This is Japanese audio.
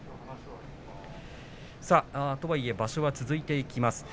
とはいえ場所は続いていきます。